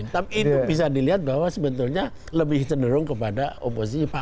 tapi itu bisa dilihat bahwa sebenarnya lebih cenderung kepada oposisi pak amin rais